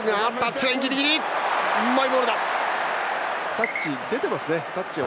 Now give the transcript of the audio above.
タッチ出ています。